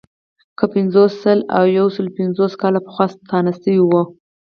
که پنځوس، سل او یو سلو پنځوس کاله پخوا ستانه شو.